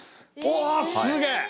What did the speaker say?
おすげえ！